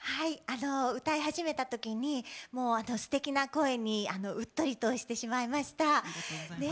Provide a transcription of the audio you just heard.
歌い始めたときにすてきな声にうっとりとしてしまいました。